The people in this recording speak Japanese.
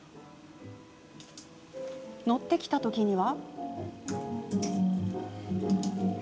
乗ってきた時には。